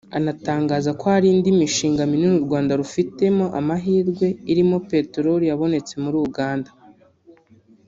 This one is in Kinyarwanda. Anatangaza ko hari indi mishinga minini u Rwanda rufiteho amahirwe irimo Peteroli yabonetse muri Uganda